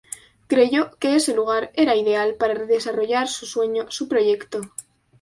Creyó que ese lugar era ideal para desarrollar su sueño, su proyecto.